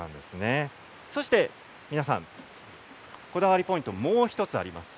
そして皆さんこだわりポイントもう１つあります。